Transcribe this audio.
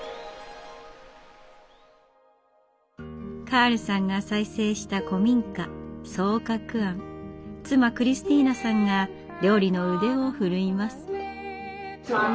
カールさんが再生した古民家妻クリスティーナさんが料理の腕を振るいます。